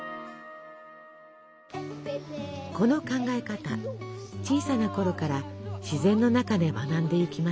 この考え方小さなころから自然の中で学んでゆきます。